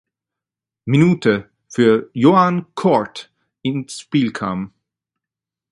Minute für Yoann Court ins Spiel kam.